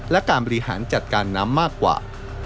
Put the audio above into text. และการบริหารจัดการน้ำมากกว่า